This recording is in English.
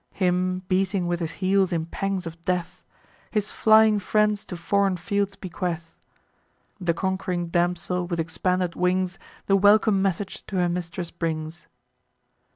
Him, beating with his heels in pangs of death, His flying friends to foreign fields bequeath. The conqu'ring damsel, with expanded wings, The welcome message to her mistress brings.